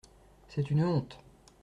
C’est une honte.